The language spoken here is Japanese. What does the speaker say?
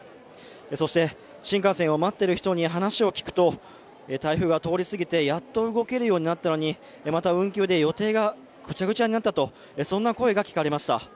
そして新幹線を待っている人に話を聞くと、台風が通り過ぎてやっと動けるようになったのに、また運休で予定がぐちゃぐちゃになったという声が聞かれました。